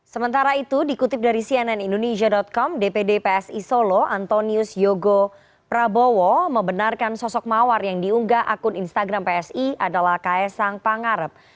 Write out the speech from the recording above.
sementara itu dikutip dari cnn indonesia com dpd psi solo antonius yogo prabowo membenarkan sosok mawar yang diunggah akun instagram psi adalah ks sang pangarep